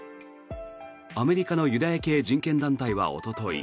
アメリカのユダヤ系人権団体はおととい